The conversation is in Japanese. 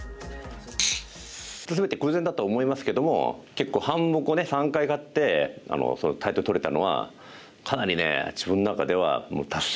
全て偶然だと思いますけども結構半目を３回勝ってタイトル取れたのはかなりね自分の中では達成感ありましたね。